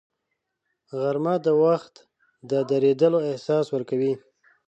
غرمه د وخت د درېدلو احساس ورکوي